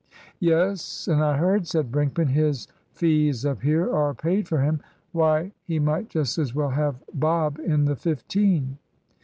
"Yes, and I heard," said Brinkman, "his fees up here are paid for him. Why, we might just as well have Bob in the fifteen."